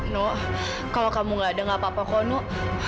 no kalau kamu gak ada gak apa apa kok nok